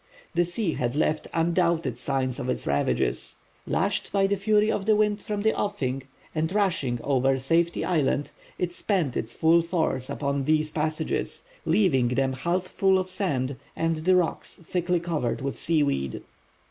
The sea had left undoubted signs of its ravages. Lashed by the fury of the wind from the offing, and rushing over Safety Island, it spent its full force upon these passages, leaving them half full of sand and the rocks thickly covered with seaweed.